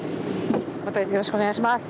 またよろしくお願いします！